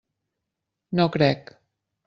No crec.